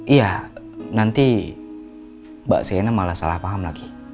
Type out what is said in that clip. iya nanti mbak sienna malah salah paham lagi